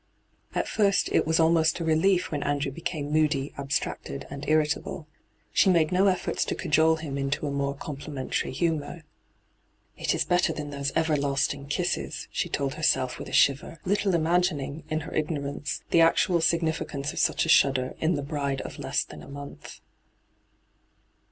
At first it was almost a relief when Andrew became moody, abstracted, and irritable. She made no efforts to cajole him into a more compli mentary humour. ' It is better than those everlasting kisses,' she told herself, with a shiver, little im^ning, in her ignorance, the actual significance of such a shudder in the bride of less than a month.